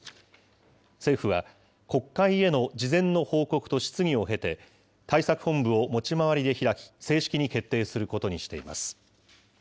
政府は、国会への事前の報告と質疑を経て、対策本部を持ち回りで開き、正式に決定することにしています。